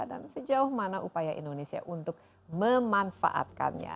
sejauh mana upaya indonesia untuk memanfaatkannya